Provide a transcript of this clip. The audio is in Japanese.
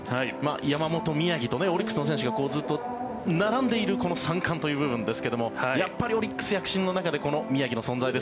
山本、宮城とオリックスの選手がずっと並んでいるこの三冠という部分ですけれどもやっぱりオリックス躍進の中で宮城の存在が。